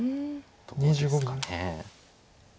どうですかね。